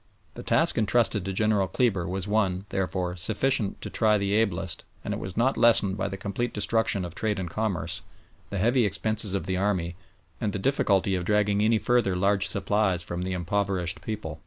The task entrusted to General Kleber was one, therefore, sufficient to try the ablest, and it was not lessened by the complete destruction of trade and commerce, the heavy expenses of the army, and the difficulty of dragging any further large supplies from the impoverished people.